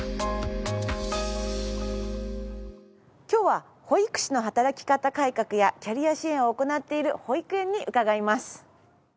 今日は保育士の働き方改革やキャリア支援を行っている保育園に伺います。